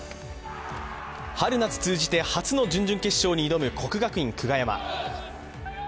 春夏通じて初の準々決勝に挑む国学院久我山。